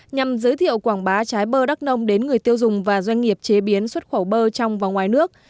nhằm giới thiệu quảng bá trái bơ đắk nông đến người tiêu dùng và doanh nghiệp chế biến xuất khẩu bơ trong và ngoài nước